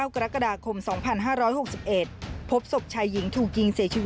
มันกลับมาแล้ว